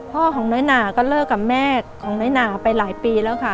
พ่อของน้อยหนาก็เลิกกับแม่ของน้อยหนาไปหลายปีแล้วค่ะ